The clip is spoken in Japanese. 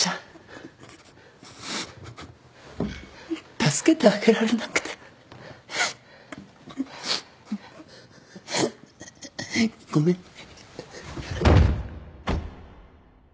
助けてあげられなくてごめんね